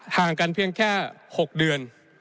ห่างกันเพียงแค่๖เดือน